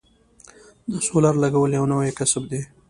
د سولر لګول یو نوی کسب دی